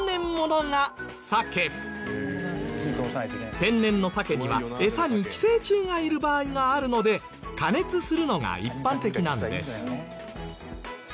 天然のさけにはエサに寄生虫がいる場合があるので加熱するのが一般的なんです。